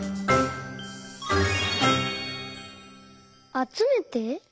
「あつめて」？